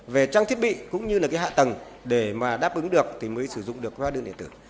về trang thiết bị cũng như là cái hạ tầng để mà đáp ứng được thì mới sử dụng được hóa đơn điện tử